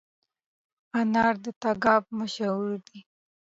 انار د تګاب مشهور دي